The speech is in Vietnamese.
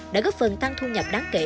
đã góp phần tăng thu nhập đáng kể